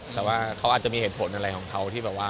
แต่ว่าเขาอาจจะมาเหตุผลเฉพาะอะไรของเขาที่ประมาณ